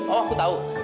oh aku tahu